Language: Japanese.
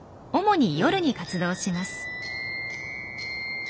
主に夜に活動します。